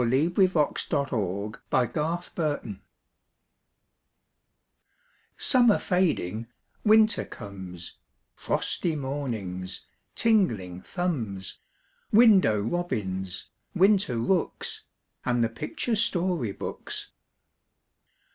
PICTURE BOOKS IN WINTER Summer fading, winter comes Frosty mornings, tingling thumbs, Window robins, winter rooks, And the picture story books.